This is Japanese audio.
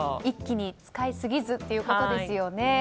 一気に使いすぎずということですよね。